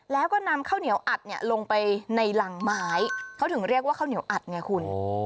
แล้วก็นำข้าวเหนียวอัดเนี่ยลงไปในรังไม้เขาถึงเรียกว่าข้าวเหนียวอัดไงคุณ